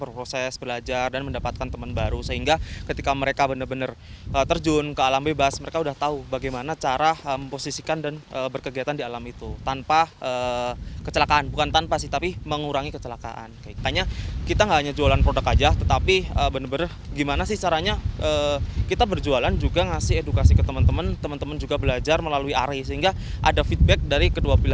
para peserta akan belajar empat materi